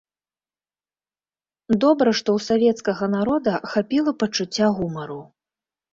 Добра, што ў савецкага народа хапіла пачуцця гумару.